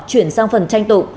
chuyển sang phần tranh tụ